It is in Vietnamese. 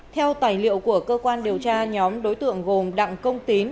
theo tài liệu của cơ quan điều tra nhóm đối tượng gồm đặng công tín